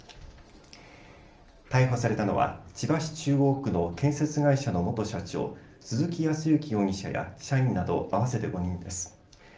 逮捕されたのは千葉市中央区の建設会社の元社長、鈴木康之容疑者や社員など合わせて５人です。